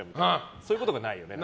そういうことがないよね。